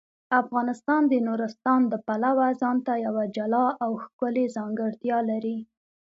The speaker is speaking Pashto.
افغانستان د نورستان د پلوه ځانته یوه جلا او ښکلې ځانګړتیا لري.